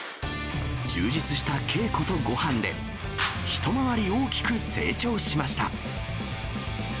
充実した稽古とごはんで、一回り大きく成長しました。